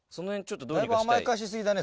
だいぶ甘やかし過ぎだね